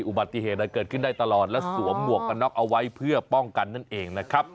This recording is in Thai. อุบัติเหตุเกิดขึ้นได้ตลอดและสวมหมวกกันน็อกเอาไว้เพื่อป้องกันนั่นเองนะครับ